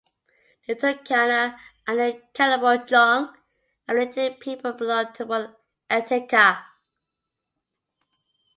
The Turkana and the Karamojong and related people belong to one "Ateker".